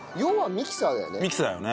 ミキサーだよね。